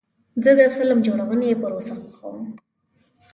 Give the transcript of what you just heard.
زه د فلم جوړونې پروسه خوښوم.